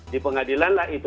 di pengadilan lah itu